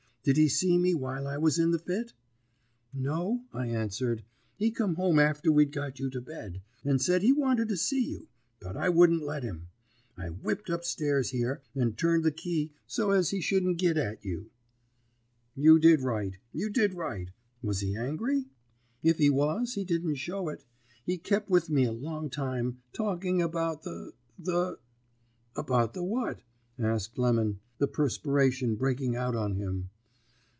Did he see me while I was in the fit?' "'No,' I answered. 'He come home after we'd got you to bed, and said he wanted to see you; but I wouldn't let him. I whipped up stairs here, and turned the key, so as he shouldn't git at you.' "'You did right, you did right. Was he angry?' "'If he was, he didn't show it. He kep with me a long time, talking about the the ' "'About the what?' asked Lemon, the perspiration breaking out on him.